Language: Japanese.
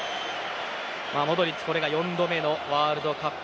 モドリッチ、これが４度目のワールドカップ。